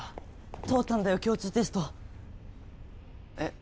通ったんだよ共通テストえっ？